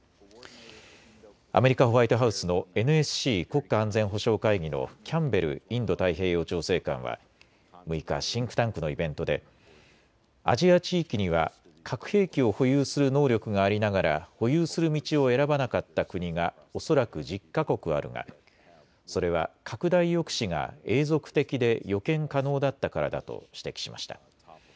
アメリカ、ホワイトハウスのＮＳＣ・国家安全保障会議のキャンベル・インド太平洋調整官は６日、シンクタンクのイベントでアジア地域には核兵器を保有する能力がありながら保有する道を選ばなかった国が恐らく１０か国あるがそれは拡大抑止が永続的で予見可能だったからだと指摘しました。